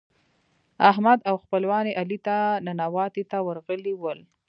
احمد او خپلوان يې علي ته ننواتو ته ورغلي ول.